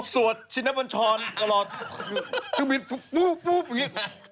สวดชินปัญชาวรอดถึงมีปุ๊บอย่างนี้